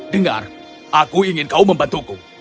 dengar aku ingin kau membantuku